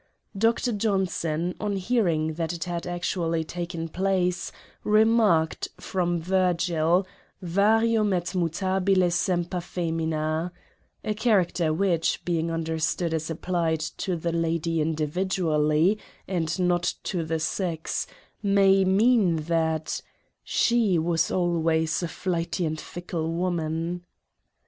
Dr. Johnson, on hearing that it had actually taken place, remarked, from Virgil, " varium et mutabile semper femina," — a character which, being understood as applied to the lady individually, and not to the Sex, may mean that u She was always a flighty and fickle woman."